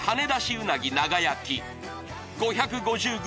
うなぎ長焼き５５０ｇ